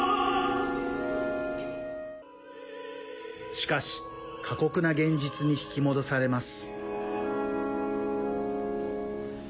しかし、過酷な現実に引き戻されます。